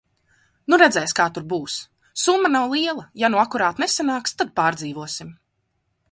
Nu redzēs kā tur būs, summa nav liela, ja nu akurāt nesanāks, tad pārdzīvosim.